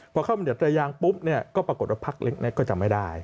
พอเข้าบรรยัตรายางปุ๊บก็ปรากฏว่าพักเล็กก็จะไม่ได้